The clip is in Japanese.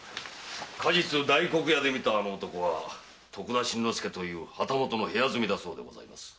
過日大黒屋で見たあの男は徳田新之助という旗本の部屋住みだそうです。